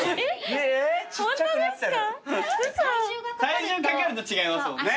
体重かかると違いますもんね。